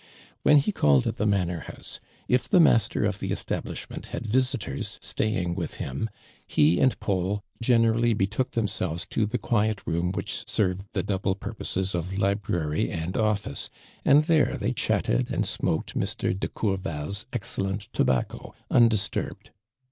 When he called at i<he manor house, if the master of the establishment had visitors staying with him, he and Paul generally betook themselves to the quiet room which served the double l)urposei* of library and office, and there they cliatted and smoked Mr. do Courval's excellent tobacco undisturbed.